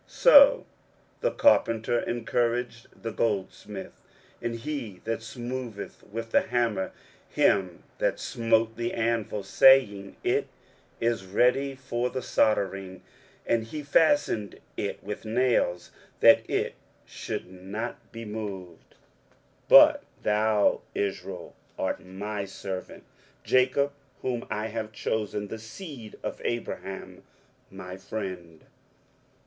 23:041:007 So the carpenter encouraged the goldsmith, and he that smootheth with the hammer him that smote the anvil, saying, It is ready for the sodering: and he fastened it with nails, that it should not be moved. 23:041:008 But thou, Israel, art my servant, Jacob whom I have chosen, the seed of Abraham my friend.